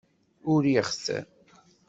Uriɣ-t.